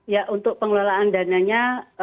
ya untuk pengelolaan dananya